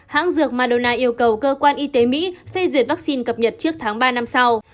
hãng dược mardona yêu cầu cơ quan y tế mỹ phê duyệt vaccine cập nhật trước tháng ba năm sau